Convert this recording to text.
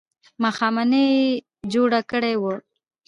ماښامنۍ یې جوړه کړې وه.